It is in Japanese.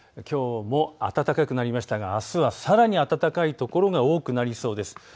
きょうも暖かくなりましたがあすはさらに暖かい所が多くなりそうです。